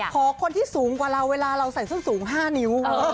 ขอคนที่สูงกว่าเราเวลาเราใส่ส้นสูง๕นิ้ว